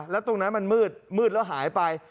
แล้วตรงนั้นมันมืดมืดแล้วหายไป